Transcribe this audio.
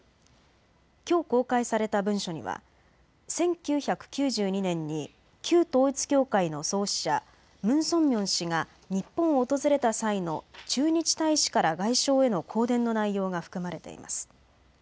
きょう公開された文書には１９９２年に旧統一教会の創始者、ムン・ソンミョン氏が日本を訪れた際の駐日大使から外相への公電の内容が含まれています。